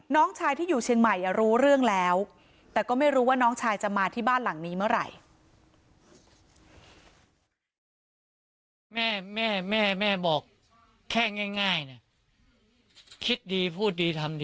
น้องชายที่อยู่เชียงใหม่รู้เรื่องแล้วแต่ก็ไม่รู้ว่าน้องชายจะมาที่บ้านหลังนี้เมื่อไหร่